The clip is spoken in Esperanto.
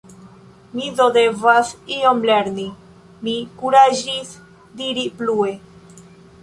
Mi do devas ion lerni, mi kuraĝis diri plue.